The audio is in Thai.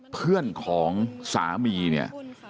เพื่อนของสามีเนี่ย